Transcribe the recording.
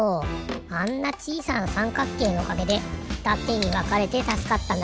あんなちいさなさんかっけいのおかげでふたてにわかれてたすかったんだね。